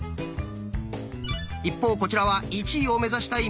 一方こちらは１位を目指したいみのんさん。